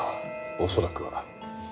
恐らくは。